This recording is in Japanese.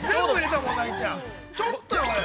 ちょっと。